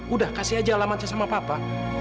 udah kasih aja alamatnya sama papa